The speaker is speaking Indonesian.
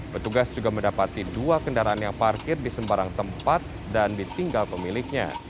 petugas juga mendapati dua kendaraan yang parkir di sembarang tempat dan ditinggal pemiliknya